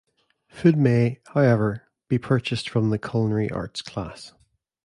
Food may, however, be purchased from the Culinary Arts class.